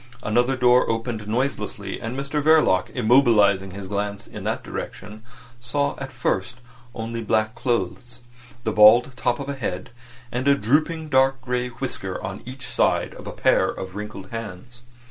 Another door opened noiselessly, and Mr Verloc immobilising his glance in that direction saw at first only black clothes, the bald top of a head, and a drooping dark grey whisker on each side of a pair of wrinkled hands.